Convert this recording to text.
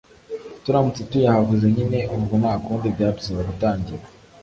turamutse tuyahabuze nyine ubwo ntakundi byadusaba gutangira